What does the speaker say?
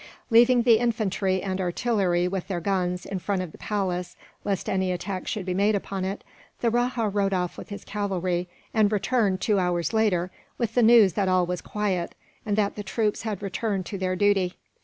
Leaving the infantry and artillery, with their guns, in front of the palace, lest any attack should be made upon it; the rajah rode off with his cavalry and returned, two hours later, with the news that all was quiet, and that the troops had returned to their duty.